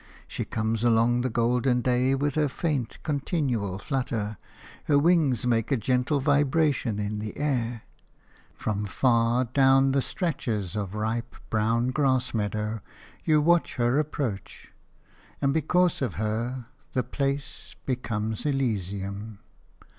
She comes along the golden day with her faint, continual flutter; her wings make a gentle vibration in the air; from far down the stretches of ripe, brown grass meadow you watch her approach, and because of her the place becomes Elysium.